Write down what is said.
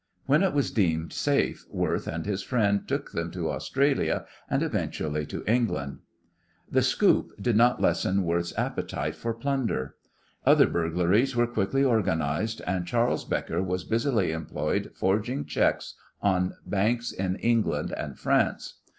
When it was deemed safe Worth and his friend took them to Australia and eventually to England. This "scoop" did not lessen Worth's appetite for plunder. Other burglaries were quickly organized, and Charles Becker was busily employed forging cheques on banks in England and France.